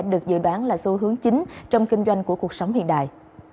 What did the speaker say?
được dự đoán là xu hướng chính trong kinh doanh của cuộc sống hiện đại